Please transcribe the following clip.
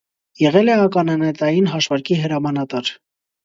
Եղել է ականանետային հաշվարկի հրամանատար։